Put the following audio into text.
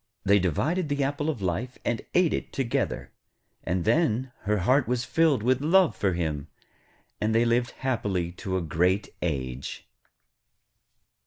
They divided the apple of life, and ate it together, and then her heart was filled with love for him, and they lived happily to a great age.